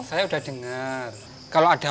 coba saya nenek rete jenderal di kampung sina